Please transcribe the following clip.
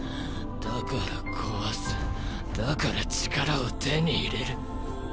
だから壊すだから力を手に入れる。